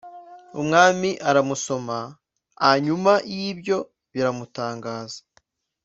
umwami aramusoma anyuma y’ibyo biramutangaza